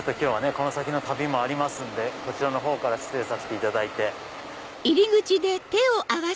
この先の旅もありますんでこちらのほうから失礼させていただいて。